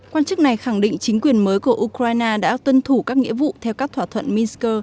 quan chức này khẳng định chính quyền mới của ukraine đã tuân thủ các nghĩa vụ theo các thỏa thuận minsk